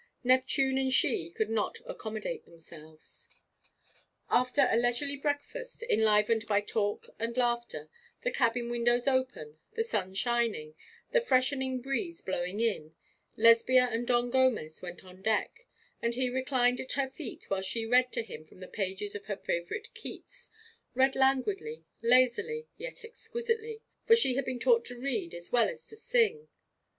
Neptune and she could not accommodate themselves. After a leisurely breakfast, enlivened by talk and laughter, the cabin windows open, the sun shining, the freshening breeze blowing in, Lesbia and Don Gomez went on deck, and he reclined at her feet while she read to him from the pages of her favourite Keats, read languidly, lazily, yet exquisitely, for she had been taught to read as well as to sing.